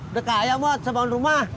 udah kaya mot sebangun rumah